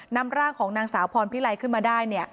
นำร่างของนางสาวพรพิไลขึ้นมาได้